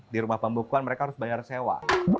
di rumah pembekuan mereka harus bayar sewa